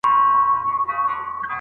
که ماهر نه وای، ساعت به نه و پېژندل سوی.